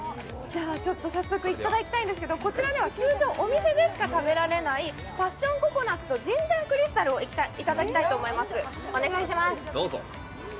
早速、いただきたいんですけどこちらでは通常、お店でしか食べられないパッションココナッツとジンジャークリスタルをいただきたいと思います。